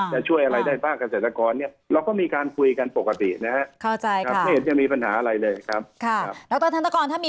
นะช่วยอะไรได้ฝั่งเศร้าศาสตร์และน้องประกอบก่อน